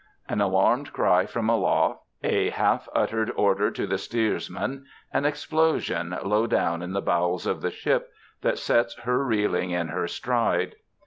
An alarmed cry from aloft a half uttered order to the steersman an explosion, low down in the bowels of the ship, that sets her reeling in her stride!